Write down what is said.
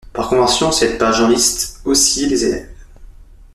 Par convention, cette page en liste aussi les élèves.